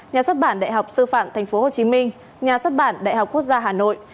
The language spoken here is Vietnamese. nhà xuất bản đại học sư phạm tp hcm nhà xuất bản đại học quốc gia hà nội